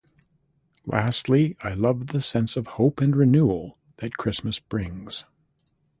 Lastly, I love the sense of hope and renewal that Christmas brings.